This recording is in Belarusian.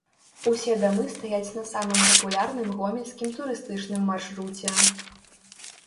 Усе дамы стаяць на самым папулярным гомельскім турыстычным маршруце.